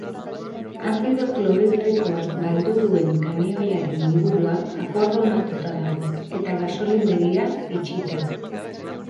Azido klorhidrikoa galdu duen kamioiaren ingurua akordonatuta dago eta gasolindegia itxita.